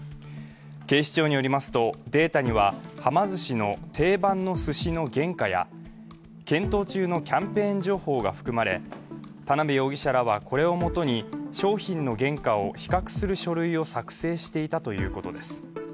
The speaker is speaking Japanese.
警視庁によりますとデータにははま寿司の定番のすしの原価や検討中のキャンペーン情報が含まれ田辺容疑者らはこれをもとに商品の原価を比較する書類を作成していたということです。